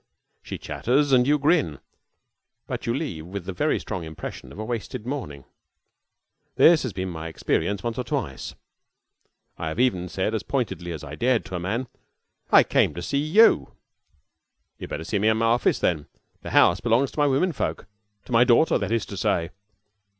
She chatters, and you grin, but you leave with the very strong impression of a wasted morning. This has been my experience once or twice. I have even said as pointedly as I dared to a man: "I came to see you." "You'd better see me in my office, then. The house belongs to my women folk to my daughter, that is to say."